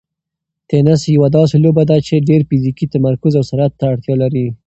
تېنس یوه داسې لوبه ده چې ډېر فزیکي تمرکز او سرعت ته اړتیا لري.